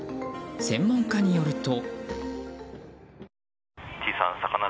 専門家によると。